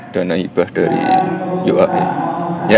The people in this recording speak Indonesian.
dana ibah dari yoak ya ya